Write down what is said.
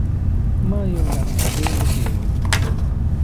ما يو لرغږی وپيرود